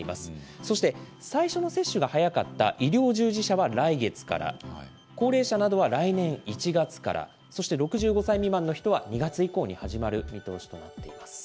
そして最初の接種が早かった医療従事者は来月から、高齢者などは来年１月から、そして６５歳未満の人は２月以降に始まる見通しとなっています。